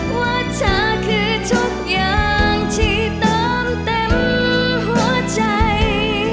ว่าเธอคือทุกอย่างที่เติมเต็มหัวใจ